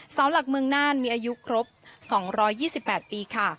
เสาหลักเมืองน่านมีอายุครบสองร้อยยี่สิบแปดปีค่ะ